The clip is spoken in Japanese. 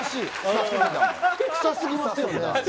臭すぎますよね。